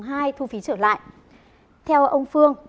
xả trạm thu phí bot sóc trăng và bot bạc liêu